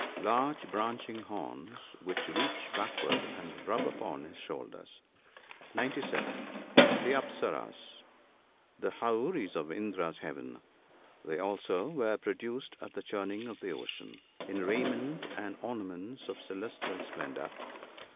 — Large branching horns which reach backward and rub upon his shoulders. (97.) . The Apsarasas. — The houris of Indra's heaven. They also were produced at the churning of the ocean, in raiment and ornaments of celestial splendour.